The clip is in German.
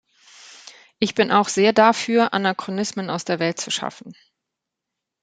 Ich bin auch sehr dafür, Anachronismen aus der Welt zu schaffen.